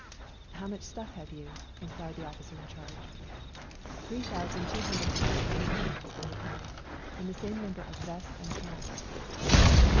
" How much stuff have you ?" inquired the officer in charge. " Three thousand two hundred and fifty uniforms," I replied, " and the same number of vests and pants."